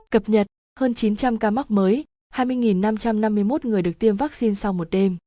cập nhật hơn chín trăm linh ca mắc mới hai mươi năm trăm năm mươi một người được tiêm vaccine sau một đêm